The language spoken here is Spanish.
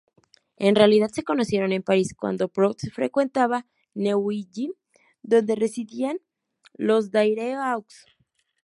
En realidad se conocieron en París cuando Proust frecuentaba Neuilly, donde residían los Daireaux.